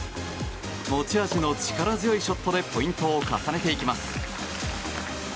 持ち味の力強いショットでポイントを重ねていきます。